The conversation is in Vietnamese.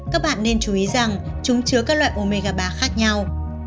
các bạn nên chú ý rằng chúng chứa các loại omega ba khác nhau